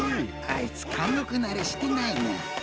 あいつかんごくなれしてないな。